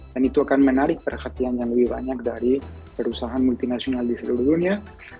dan itu akan menarik perhatian yang lebih banyak dari perusahaan multinasional di seluruh dunia